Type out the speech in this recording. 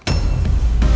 pangeran tidak kenapa kenapa